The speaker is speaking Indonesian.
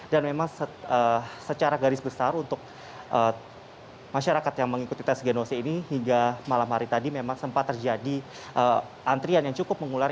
dan memang secara garis besar untuk masyarakat yang mengikuti tes genose ini hingga malam hari tadi memang sempat terjadi antrian yang cukup mengular